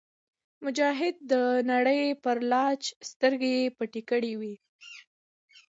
مجاهد د نړۍ پر لالچ سترګې پټې کړې وي.